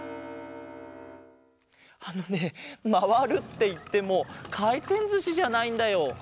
あのねまわるっていってもかいてんずしじゃないんだよ。